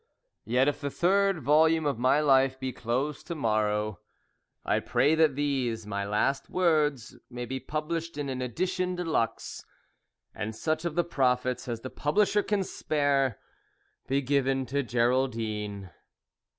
Yet, if the third volume of my life be closed to morrow, I pray that these, my last words, may be published in an édition de luxe, and such of the profits as the publisher can spare be given to Geraldine.